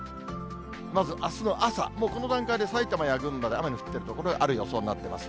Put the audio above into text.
まず、あすの朝、もうこの段階で埼玉や群馬で雨の降っている所がある予想になってます。